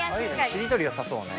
しりとりよさそうね。